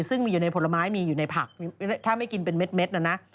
ซึ่งมีอยู่ในผลไม้มีอยู่ในผักถ้าไม่กินเป็นเม็ดนะนะ